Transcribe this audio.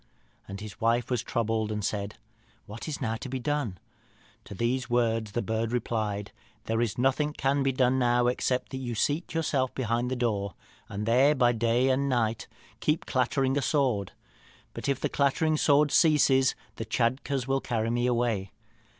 "And his wife was troubled, and said, 'What is now to be done?' To these words the bird replied, 'There is nothing can be done now, except you seat yourself behind the door, and there by day and night keep clattering a sword. But if the clattering sword ceases, the Tschadkurrs will carry me away.